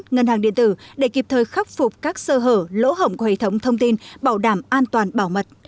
ngân hàng điện tử để kịp thời khắc phục các sơ hở lỗ hổng của hệ thống thông tin bảo đảm an toàn bảo mật